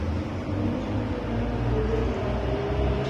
English پوری دنیا میں مقبولیت کی حامل ہے